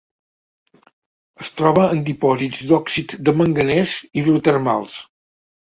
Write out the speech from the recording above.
Es troba en dipòsits d'òxid de manganès hidrotermals.